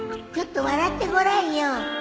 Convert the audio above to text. ちょっと笑ってごらんよ